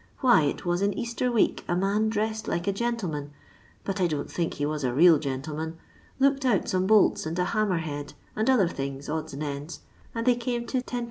Why, it was in Easter week a man dressed like a gentleman — but I don't think he was a real gentleman — looked out some bolts, and a hammer head, and other things, odds and ends, and they came to \0\d.